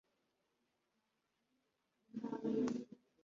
Imigambi yabo nibaviremo umutego ubahitana